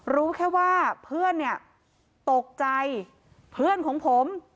รู้แค่ว่าเพื่อนเนี่ยตกใจเพื่อนของผม